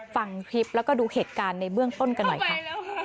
ฟังคลิปแล้วก็ดูเหตุการณ์ในเบื้องต้นกันหน่อยค่ะ